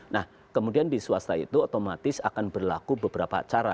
nah kemudian di swasta itu otomatis akan berlaku beberapa cara